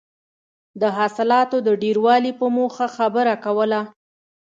د حاصلاتو د ډېروالي په موخه خبره کوله.